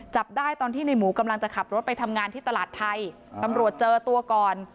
จับได้ตอนที่ในหมูกำลังจะขับรถไปทำงานที่ตลาดไทยตำรวจเจอตัวก่อน